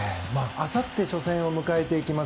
あさって初戦を迎えます